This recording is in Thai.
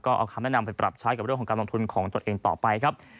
เอาคำแนะนำไปปรับใช้กับเรื่องของการลงทุนของตัวเองต่อไปครับ